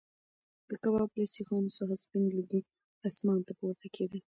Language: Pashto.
د کباب له سیخانو څخه سپین لوګی اسمان ته پورته کېده.